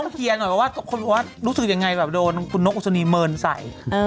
ต้องเคลียร์หน่อยว่ารู้สึกยังไงโดนคุณนกอุศนีเมินใส่